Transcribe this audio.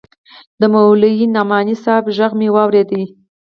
د مولوي نعماني صاحب ږغ مې واورېد.